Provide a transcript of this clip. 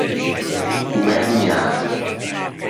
O mæ nommiagio.